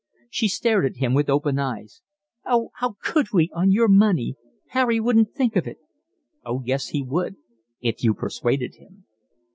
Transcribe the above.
She stared at him with open eyes. "Oh, how could we, on your money? Harry wouldn't think of it." "Oh yes, he would, if you persuaded him."